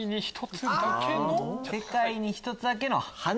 世界に一つだけの。